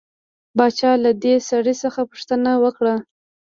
باچا له دې سړي څخه پوښتنه وکړه.